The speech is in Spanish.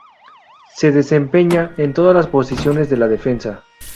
Se desempeña en todas las posiciones de la defensa.